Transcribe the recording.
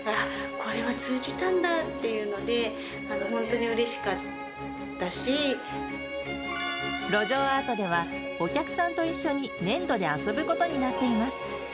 これは通じたんだっていうので、路上アートでは、お客さんと一緒に粘土で遊ぶことになっています。